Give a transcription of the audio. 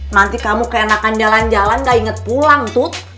nanti kamu keenakan jalan jalan nggak inget pulang encut